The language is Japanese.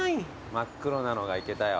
真っ黒なのがいけたよ。